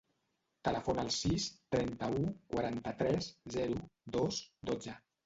Telefona al sis, trenta-u, quaranta-tres, zero, dos, dotze.